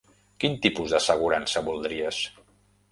Quin tipus d'assegurança voldries?